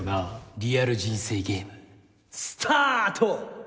リアル人生ゲームスタート！